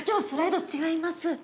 スライド違います。